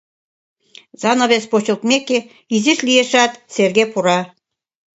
Занавес почылтмеке, изиш лиешат, Серге пура.